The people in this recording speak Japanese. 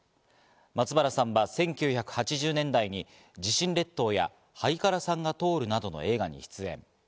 松原さんは１９８０年代に『地震列島』や『はいからさんが通る』などの映画に出演。